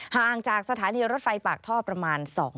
ห่างจากสถานีรถไฟปากท่อประมาณ